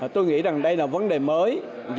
tôi nghĩ rằng đây là vấn đề mới